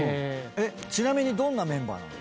ちなみにどんなメンバーなの？